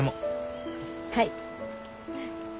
はい。